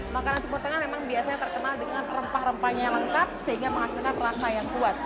makanan ciputengah memang biasanya terkenal dengan rempah rempahnya lengkap sehingga menghasilkan rasa yang kuat